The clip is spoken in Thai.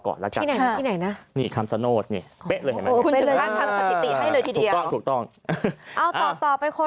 บรรทานสถิติให้เลยทีเดี๋ยว